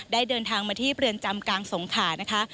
เดินทางมาที่เรือนจำกลางสงขานะคะ